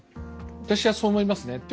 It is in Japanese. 私はそう思いますね。